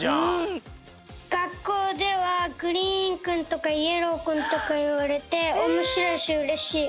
がっこうではグリーンくんとかイエローくんとかいわれておもしろいしうれしい。